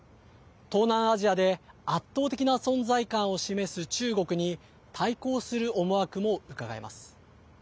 東南アジアで圧倒的な存在感を示す中国に対抗する思惑もうかがえます。